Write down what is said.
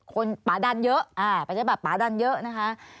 คนปะดันเยอะประชาธิบัติปะดันเยอะนะคะ